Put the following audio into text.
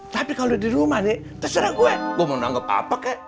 tapi kalau di rumah nih terserah gue mau menanggap apa kek